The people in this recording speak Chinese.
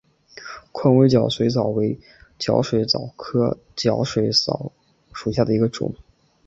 宽尾角水蚤为角水蚤科角水蚤属下的一个种。